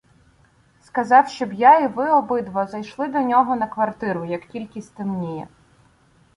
Сказав, щоб я і ви обидва зайшли до нього на квартиру, як тільки стемніє.